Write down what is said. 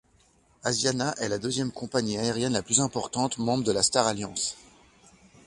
Asiana est la deuxième compagnie aérienne la plus importante, membre de Star Alliance.